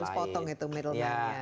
harus potong itu middle man nya